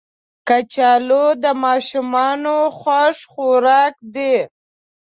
کچالو د ماشومانو خوښ خوراک دی